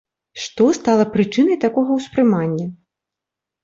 Што стала прычынай такога ўспрымання?